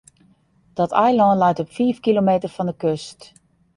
Dat eilân leit op fiif kilometer fan de kust.